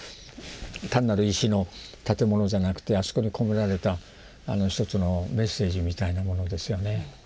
単なる石の建物じゃなくてあそこに込められた一つのメッセージみたいなものですよね。